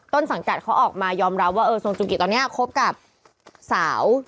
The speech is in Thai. ต้นสังกัดเขาออกมายอมรับว่าเออทรงจุกิตอนนี้คบกับสาว